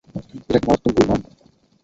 এটা কি মারাত্মক ভুল নয়?